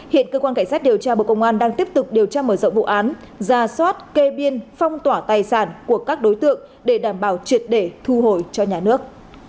hiện cơ quan cảnh sát điều tra bộ công an đang tiếp tục điều tra mở rộng vụ án ra soát kê biên phong tỏa tài sản của các đối tượng để đảm bảo triệt để thu hồi cho nhà nước